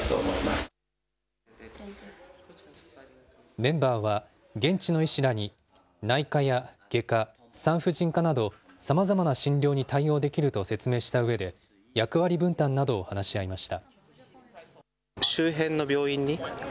メンバーは、現地の医師らに内科や外科、産婦人科など、さまざまな診療に対応できると説明したうえで、役割分担などを話し合いました。